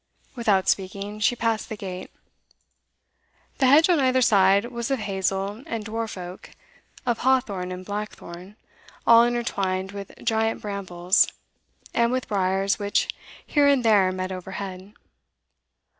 Without speaking, she passed the gate. The hedge on either side was of hazel and dwarf oak, of hawthorn and blackthorn, all intertwined with giant brambles, and with briers which here and there met overhead.